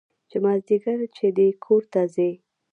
چې مازديګر چې دى کور ته ځي.